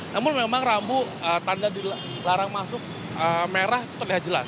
namun memang rambu tanda larang masuk merah terlihat jelas